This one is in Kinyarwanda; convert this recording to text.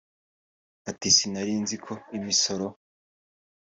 Ati ” Sinari nziko imisoro